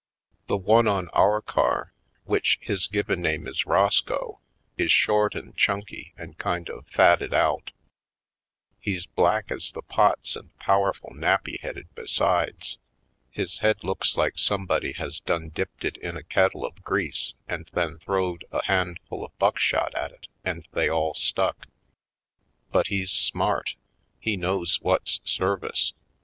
28 /. Poindexter, Colored The one on our car, which his given name is Roscoe, is short and chunky and kind of fatted out; he's black as the pots and power ful nappy headed besides. His head looks like somebody has done dipped it in a kettle of grease and then throwed a handful of buckshot at it and they all stuck. But he's smart; he knows what's service.